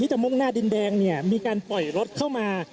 ที่จะมุ่งหน้าดินแดงมีการปล่อยลดเพิ่มเข้ามา